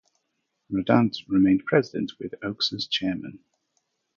Radandt remained president, with Oakes as chairman.